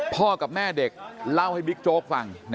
พ่อกับแม่เด็กเล่าให้บิ๊กโจ๊กฟัง